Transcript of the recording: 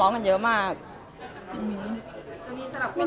อเรนนี่มีหลังไม้ไม่มี